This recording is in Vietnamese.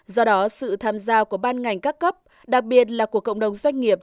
do đó sự tham gia của ban ngành các cấp đặc biệt là của cộng đồng doanh nghiệp